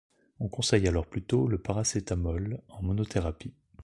On conseille alors plutôt le paracétamol en monothérapie.